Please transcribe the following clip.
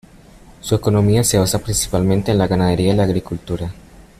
Su economía se basa principalmente en la ganadería y la agricultura.